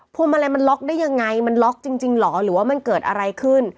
วงมาลัยมันล็อกได้ยังไงมันล็อกจริงเหรอหรือว่ามันเกิดอะไรขึ้น